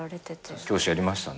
教師やりましたね。